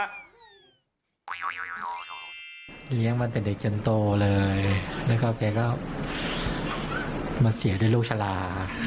คุณพ่อเลี้ยงกเป็นเด็กจนโตจริงแล้วเขามาเสียด้วยโรคชะลา